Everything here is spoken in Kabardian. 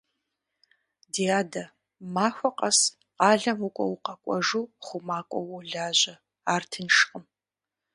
Ди адэ, махуэ къэс къалэм укӀуэ-укъэкӀуэжу хъумакӀуэу уолажьэ, ар тыншкъым.